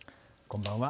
こんばんは。